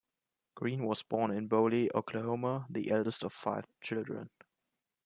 Green was born in Boley, Oklahoma, the eldest of five children.